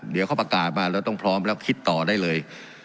เดี๋ยวเขาประกาศมาแล้วต้องพร้อมแล้วคิดต่อได้เลย